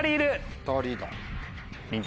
２人だ。